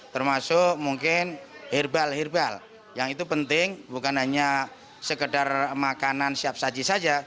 termasuk mungkin herbal herbal yang itu penting bukan hanya sekedar makanan siap saji saja